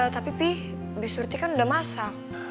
tapi pi bisurti kan udah masak